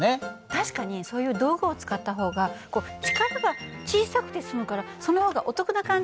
確かにそういう道具を使った方が力が小さくて済むからその方がお得な感じはするわよね。